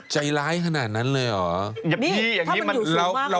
ใจร้ายขนาดนั้นเลยเหรอ